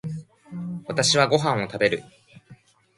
私はご飯を食べる。